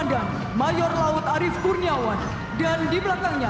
dari batalion armet empat